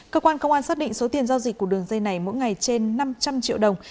cơ quan công an xác định số tiền giao dịch của đường dây này mỗi ngày trên năm trăm linh triệu đồng